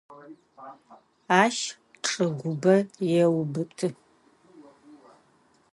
Ащ чӏыгубэ еубыты.